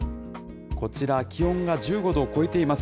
こちら、気温が１５度を超えています。